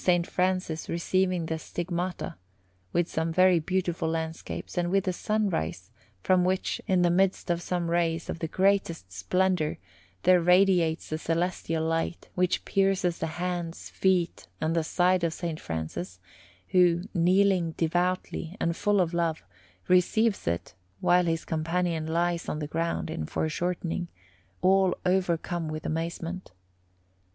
Francis receiving the Stigmata, with some very beautiful landscapes, and with a sunrise from which, in the midst of some rays of the greatest splendour, there radiates the celestial light, which pierces the hands, feet, and side of S. Francis, who, kneeling devoutly and full of love, receives it, while his companion lies on the ground, in foreshortening, all overcome with amazement.